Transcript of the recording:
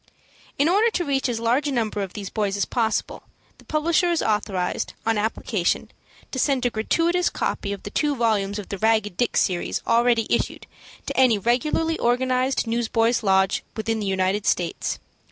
In order to reach as large a number of these boys as possible, the publisher is authorized, on application, to send a gratuitous copy of the two volumes of the "Ragged Dick Series" already issued, to any regularly organized Newsboys' Lodge within the United States.